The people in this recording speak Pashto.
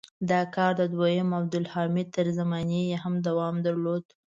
دا کار د دویم عبدالحمید تر زمانې یې هم دوام درلود.